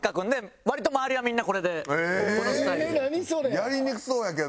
やりにくそうやけど。